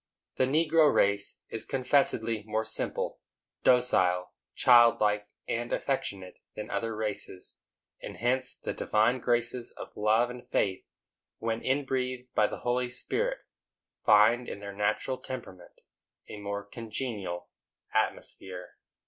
The negro race is confessedly more simple, docile, childlike and affectionate, than other races; and hence the divine graces of love and faith, when in breathed by the Holy Spirit, find in their natural temperament a more congenial atmosphere.